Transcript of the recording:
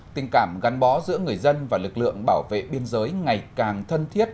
tình cảm gắn bó giữa người dân và lực lượng bảo vệ biên giới ngày càng thân thiết